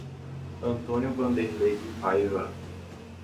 Antônio Wanderley de Paiva